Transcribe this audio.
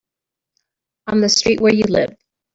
On the street where you live.